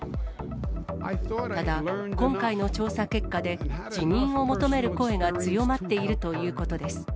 ただ、今回の調査結果で、辞任を求める声が強まっているということです。